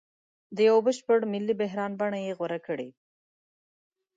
د یوه بشپړ ملي بحران بڼه یې غوره کړې.